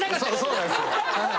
そうなんですよはい。